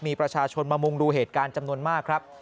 มีประชาชนมามุงดูเหตุการณ์จำนวนมากครับ